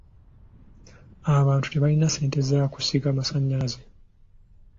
Abantu tebalina ssente za kusika masannyalaze.